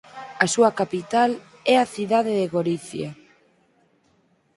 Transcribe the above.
A súa capital é a cidade de Gorizia.